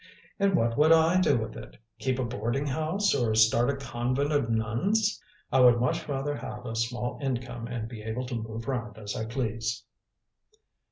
"And what would I do with it? Keep a boarding house, or start a convent of nuns? I would much rather have a small income and be able to move round as I please."